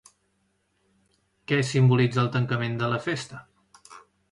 Què simbolitza el tancament de la festa?